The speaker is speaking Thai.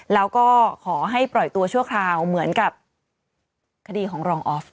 แล้วก็ขอให้ปล่อยตัวชั่วคราวเหมือนกับคดีของรองออฟ